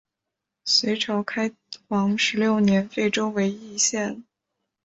隋朝开皇十六年废州为易县。